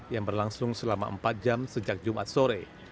yang berlangsung selama empat jam sejak jumat sore